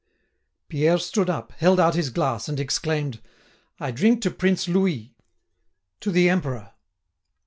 Pierre stood up, held out his glass, and exclaimed: "I drink to Prince Louis—to the Emperor!"